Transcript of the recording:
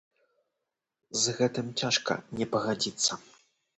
З гэтым цяжка не пагадзіцца.